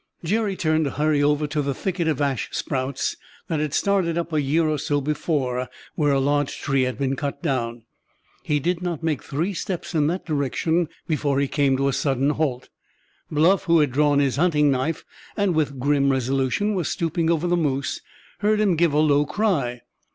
Jerry turned to hurry over to the thicket of ash sprouts that had started up a year or so before, where a large tree had been cut down. He did not make three steps in that direction before he came to a sudden halt. Bluff, who had drawn his hunting knife and with grim resolution was stooping over the moose, heard him give a low cry.